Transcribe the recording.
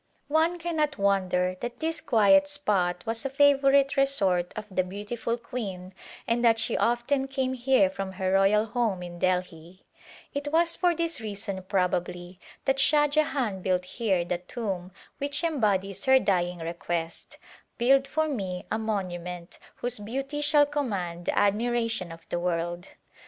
One cannot wonder that this quiet spot was a fa vorite resort of the beautiful queen and that she often came here from her royal home in Delhi j it was for A Glimpse of India this reason, probably, that Shah Jahan built here the tomb which embodies her dying request, " Build for me a monument whose beauty shall command the admiration of the world."